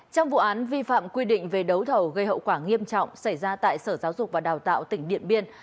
trong vụ án vi phạm quy định về đấu thầu gây hậu quả nghiêm trọng xảy ra tại sở giáo dục và đào tạo tỉnh điện biên